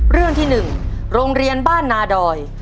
เรื่องที่๑โรงเรียนบ้านนาดอย